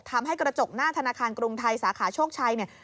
ทำให้กระจกหน้าธนาคารกรุงไทยสาขาโชคชัยเนี่ย